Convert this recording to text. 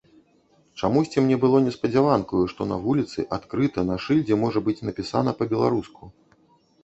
Чамусьці мне было неспадзяванкаю, што на вуліцы, адкрыта, на шыльдзе можа быць напісана па-беларуску.